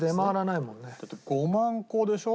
だって５万個でしょ？